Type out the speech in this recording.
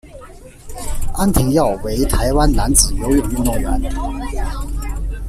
安廷耀为台湾男子游泳运动员。